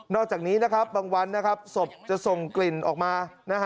นอกจากนี้นะครับบางวันสบจะส่งกลิ่นออกมา